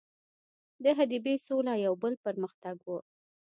د حدیبې سوله یو بل پر مختګ وو.